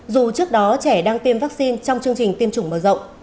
dù trước đó trẻ đang tiêm vaccine trong chương trình tiêm chủng mở rộng